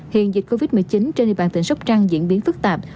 hiện dịch covid một mươi chín trên địa bàn tỉnh sóc trăng diễn biến phức tạp